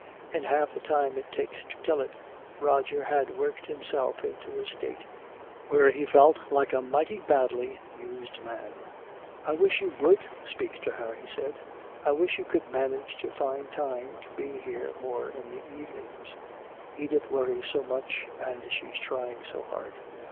In half the time it takes to tell it, Roger had worked himself into a state where he felt like a mighty badly used man. "I wish you would speak to her," he said. "I wish you could manage to find time to be here more in the evenings. Edith worries so much and she's trying so hard.